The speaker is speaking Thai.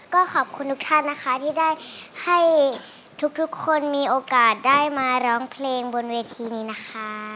ก็ขอบคุณทุกท่านนะคะที่ได้ให้ทุกคนมีโอกาสได้มาร้องเพลงบนเวทีนี้นะคะ